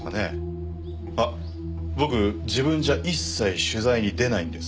あっ僕自分じゃ一切取材に出ないんです。